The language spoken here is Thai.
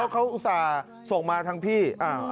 เขาอุตส่าห์ส่งมาทั้งพี่